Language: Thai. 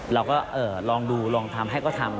เราก็ลองดูลองทำให้ก็ทำ